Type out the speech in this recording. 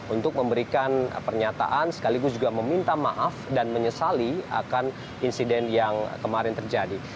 untuk memberikan pernyataan sekaligus juga meminta maaf dan menyesali akan insiden yang kemarin terjadi